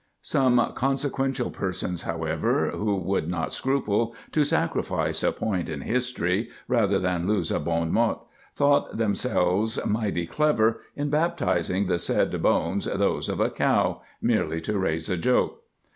Some consequential persons, however, who would not scruple to sacrifice a point in history, rather than lose a bon mot, thought themselves mighty clever in baptizing the said bones those of a cow, merely to raise a joke.